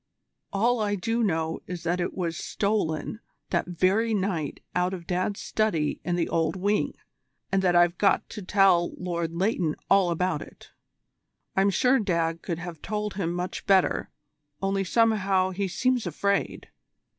All I do know is that it was stolen that very night out of Dad's study in the Old Wing, and that I've got to tell Lord Leighton all about it. I'm sure Dad could have told him much better, only somehow he seems afraid."